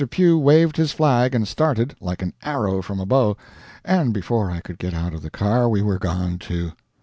Pugh waved his flag and started, like an arrow from a bow, and before I could get out of the car we were gone too.